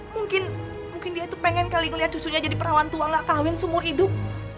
mungkin mungkin dia tuh pengen kali kali lihat cucunya jadi perawan tua gak kawin seumur hidup